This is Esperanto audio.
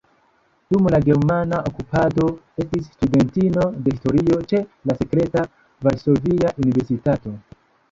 Dum la germana okupado estis studentino de historio ĉe la sekreta Varsovia Universitato.